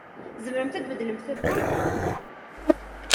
Tzemremt ad tmedlemt tawwurt?